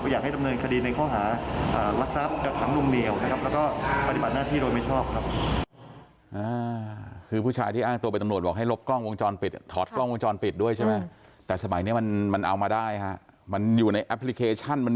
ว่าอยากให้ดำเนินคดีในข้อหารักษัพกับถังลงเหนียวนะครับ